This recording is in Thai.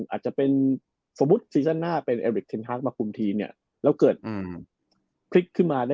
อาจจะเป็นสมมุติเซียน๕เป็น